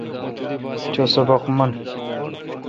چو سبق من۔